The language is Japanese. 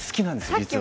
実は。